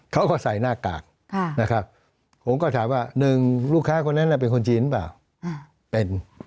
เขาก็ใส่หน้ากากนะครับผมก็ถามว่าหนึ่งลูกค้าคนนั้นเป็นคนจีนหรือเปล่าเป็น